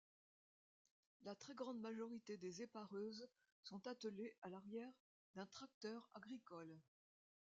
La très grande majorité des épareuses sont attelées à l’arrière d’un tracteur agricole.